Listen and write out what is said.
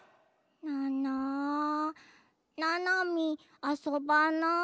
ななななみあそばない。